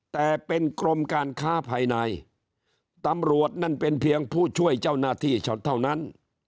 แต่เป็นกรมการค้าภายในตำรวจนั่นเป็นเพียงผู้ช่วยเจ้าหน้าที่เท่านั้น